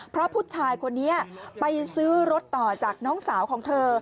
เพราะผู้ชายคนนี้ไปซื้อรถต่อจากน้องสาวของเธอ